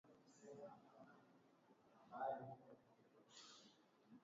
Dbeibah ambaye amekataa kukabidhi madaraka kwa Fathi Bashagha